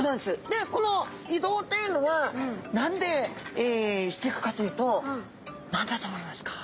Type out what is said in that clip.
でこの移動というのは何でしていくかというと何だと思いますか？